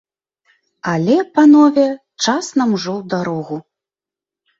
Але, панове, час нам ужо ў дарогу!